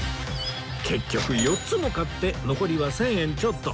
結局４つも買って残りは１０００円ちょっと